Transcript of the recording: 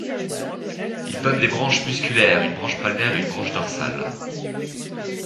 Il donne des branches musculaires, une branche palmaire et une branche dorsale.